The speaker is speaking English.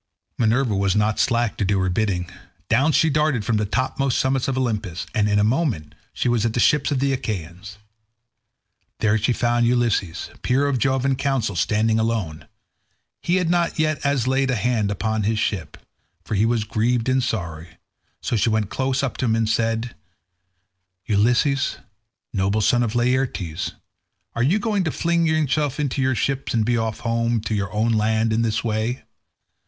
Minerva was not slack to do her bidding. Down she darted from the topmost summits of Olympus, and in a moment she was at the ships of the Achaeans. There she found Ulysses, peer of Jove in counsel, standing alone. He had not as yet laid a hand upon his ship, for he was grieved and sorry; so she went close up to him and said, "Ulysses, noble son of Laertes, are you going to fling yourselves into your ships and be off home to your own land in this way?